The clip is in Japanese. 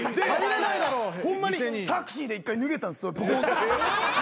ホンマにタクシーで一回脱げたんです。